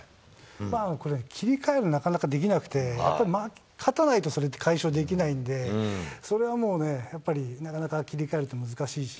これ、切り替えるのなかなかできなくて、やっぱり勝たないと、それって解消できないんで、それはもうね、やっぱりなかなか切り替えるって難しいし。